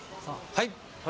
はい。